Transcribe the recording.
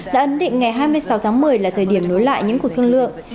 đã ấn định ngày hai mươi sáu tháng một mươi là thời điểm nối lại những cuộc thương lượng